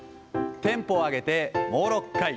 テンポを上げてもう６回。